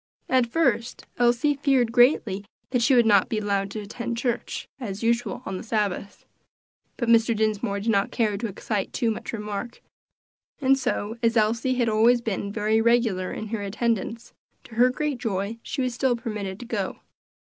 At first Elsie greatly feared that she would not be allowed to attend church, as usual, on the Sabbath. But Mr. Dinsmore did not care to excite too much remark, and so, as Elsie had always been very regular in her attendance, to her great joy she was still permitted to go.